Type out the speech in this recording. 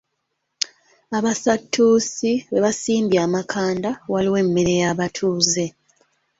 Abasatuusi we basimbye amakanda waliwo emmere y'abatuuze.